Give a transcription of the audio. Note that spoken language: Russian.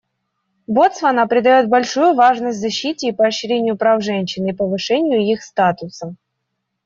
Ботсвана придает большую важность защите и поощрению прав женщин и повышению их статуса.